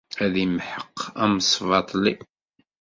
Ad imḥeq amesbaṭli.